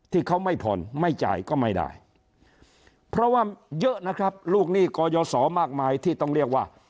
ที่เขาไม่ผ่อนไม่จ่ายก็ไม่ได้เพราะว่าเยอะนะครับลูกหนี้ก่อยสอมากมายที่ต้องเรียกว่า